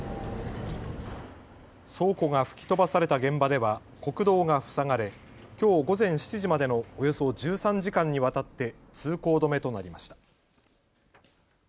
倉庫が吹き飛ばされた現場では国道が塞がれきょう午前７時までのおよそ１３時間にわたって通行止めとなりました。